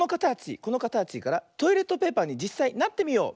このかたちからトイレットペーパーにじっさいなってみよう。